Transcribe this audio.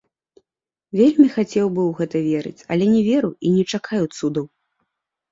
Вельмі хацеў бы ў гэта верыць, але не веру і не чакаю цудаў.